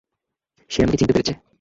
সে আমাকে চিনতে পেরেছে।